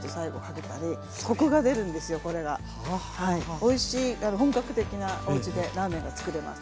おいしい本格的なおうちでラーメンがつくれます。